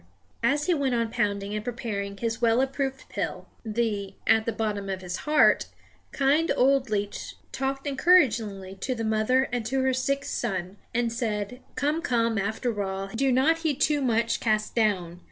As he went on pounding and preparing his well approved pill, the (at the bottom of his heart) kind old leech talked encouragingly to the mother and to her sick son, and said: "Come, come; after all, do not he too much cast down.